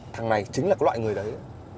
thằng này chính là cái loại người đấy